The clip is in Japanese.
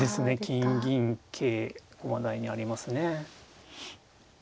金銀桂駒台にありますね。